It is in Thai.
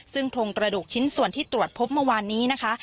ซึ่งโครงกระดูกชิ้นส่วนที่ตรวจพบเมื่อวานนี้นะคะ